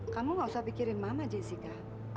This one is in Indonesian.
kamu gak usah pikirin mama jessica